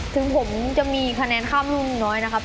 ถึงผมจะมีคะแนนข้ามรุ่นน้อยนะครับ